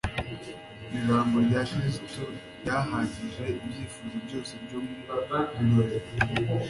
Ijambo rya Kristo ryahagije ibyifuzo byose byo mu birori.